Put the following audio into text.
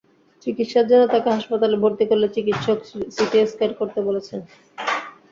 চিকিৎসার জন্য তাঁকে হাসপাতালে ভর্তি করলে চিকিৎসক সিটি স্ক্যান করতে বলেছেন।